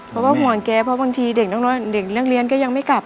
เพราะว่าห่วงแกเพราะบางทีเด็กเรื่องเรียนก็ยังไม่กลับ